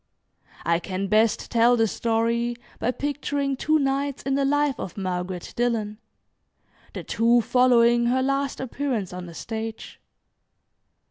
I can best tell the story by picturing two nights in the life of Margaret Dillon, the two following her last appearance on the stage.